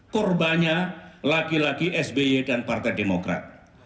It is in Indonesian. korbannya lagi lagi sby dan partai demokrat